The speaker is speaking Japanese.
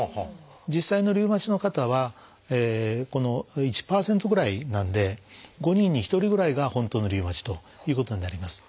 実際のリウマチの方は１％ぐらいなんで５人に１人ぐらいが本当のリウマチということになります。